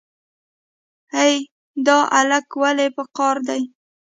ای دا الک ولې په قار دی.